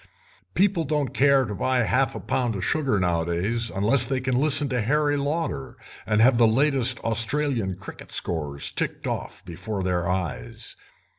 People don't care to buy half a pound of sugar nowadays unless they can listen to Harry Lauder and have the latest Australian cricket scores ticked off before their eyes.